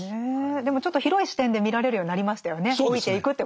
でもちょっと広い視点で見られるようになりましたよね。